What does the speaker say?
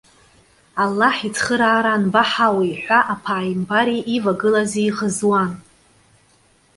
Аллаҳ ицхыраара анбаҳауеи?- ҳәа аԥааимбари ивагылази иӷызуан.